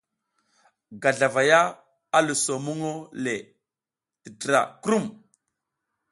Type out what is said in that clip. Gazlavay ma luso muŋ tətra krum.